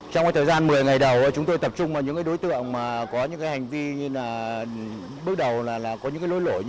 trong thời gian một mươi ngày đầu chúng tôi tập trung vào những đối tượng có những hành vi như là bước đầu là có những lỗi lỗi